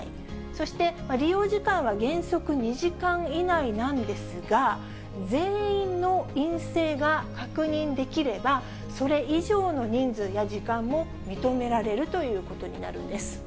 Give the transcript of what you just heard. そして利用時間は原則２時間以内なんですが、全員の陰性が確認できれば、それ以上の人数や時間も認められるということになるんです。